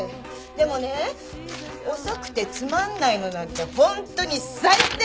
でもね遅くてつまんないのなんてホントに最低！